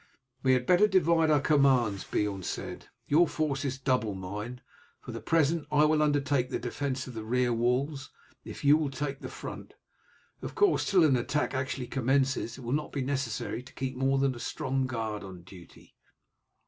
"We had better divide our commands," Beorn said. "Your force is double mine. For the present I will undertake the defence of the rear walls if you will take the front. Of course till an attack actually commences it will not be necessary to keep more than a strong guard on duty."